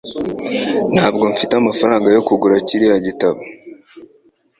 Ntabwo mfite amafaranga yo kugura kiriya gitabo